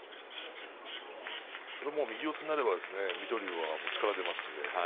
右四つになれば水戸龍は力が出ますので。